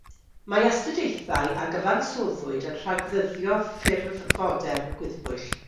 Mae astudiaethau a gyfansoddwyd yn rhagddyddio ffurf fodern gwyddbwyll.